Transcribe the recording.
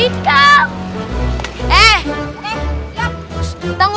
ini mah udah pasti menang aika